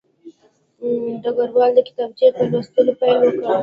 ډګروال د کتابچې په لوستلو پیل وکړ